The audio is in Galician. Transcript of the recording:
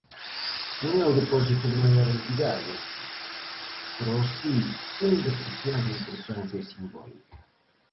Non é o depósito de maior entidade, pero si un de especial importancia simbólica.